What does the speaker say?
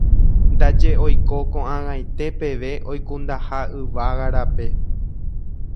ndaje oiko ko'ag̃aite peve oikundaha yvága rape